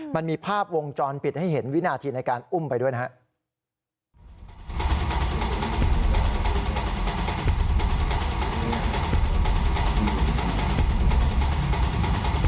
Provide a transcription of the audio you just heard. มันมีภาพวงจรปิดให้เห็นวินาทีในการอุ้มไปด้วยนะครับ